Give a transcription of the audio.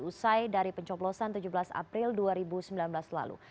usai dari pencoplosan tujuh belas april dua ribu sembilan belas lalu